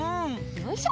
よいしょ。